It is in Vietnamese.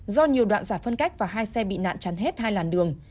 do nhiều đoạn giải phân cách và hai xe bị nạn chắn hết hai làn đường